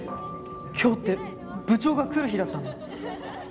今日って部長が来る日だったの！？